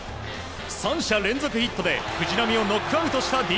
３者連続ヒットで藤浪をノックアウトしたＤｅＮＡ。